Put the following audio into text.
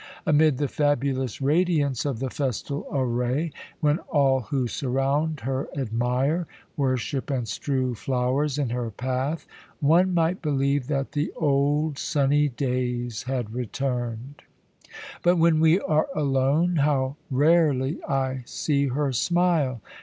Amid the fabulous radiance of the festal array, when all who surround her admire, worship, and strew flowers in her path, one might believe that the old sunny days had returned; but when we are alone, how rarely I see her smile!